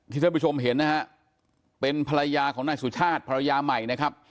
ท่านผู้ชมเห็นนะฮะเป็นภรรยาของนายสุชาติภรรยาใหม่นะครับ